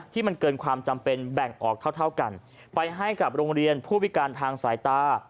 ที่มันเกินความจำเป็นแบ่งออกเท่ากันไปให้กับโรงเรียนผู้พิการทางสายตา